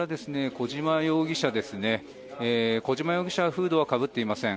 小島容疑者フードはかぶっていません。